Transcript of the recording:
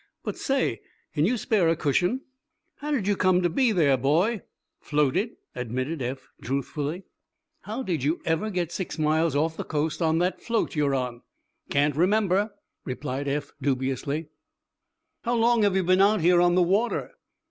"But; say! Can you spare a cushion." "How did you come to be there, boy?" "Floated," admitted Eph, truthfully. "How did you ever get six miles off the coast on that float you're on?" "Can't remember," replied Eph, dubiously. "How long have you been out here on the water?"